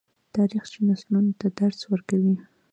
تاریخ چې نسلونو ته درس ورکوي.